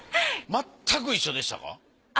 まったく一緒でした。